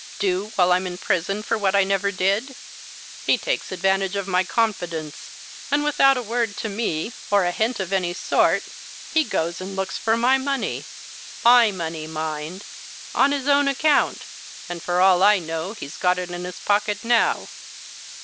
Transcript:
do, while I'm in prison for what I never did? He takes advantage of my confidence, and without a word to me, or a hint of any sort, he goes and looks for my money my money, mind! on his own account and for all I know he's got it in his pocket now."